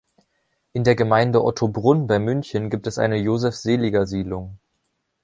In der Gemeinde Ottobrunn bei München gibt es eine „Josef-Seliger-Siedlung“.